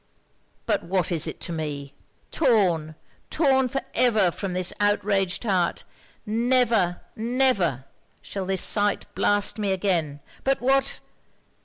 But what is it to me? Torn torn for ever from this outraged heart never, never shall this sight blast me again! But what?'